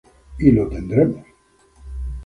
Y lo tendremos".